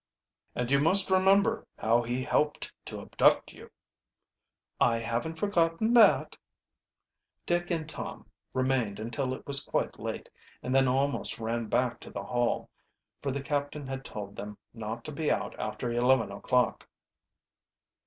"And you must remember how he helped to abduct you." "I haven't forgot that." Vick and Tom remained until it was quite late, and then almost ran back to the Hall, for the captain had told them not to be out after eleven o'clock.